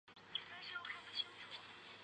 兰西县是黑龙江省绥化市下辖的一个县。